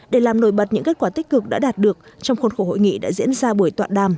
để làm nổi bật những kết quả tích cực đã đạt được trong khuôn khổ hội nghị đã diễn ra buổi toạn đàm